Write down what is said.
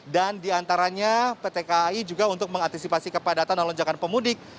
dan diantaranya pt kai juga untuk mengantisipasi kepadatan dan lonjakan pemudik